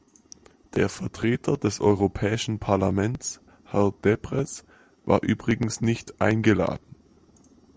Der Vertreter des Europäischen Parlaments, Herr Deprez, war übrigens nicht eingeladen.